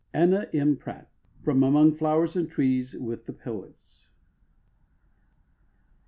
—Anna M. Pratt, From "Among Flowers and Trees with the Poets."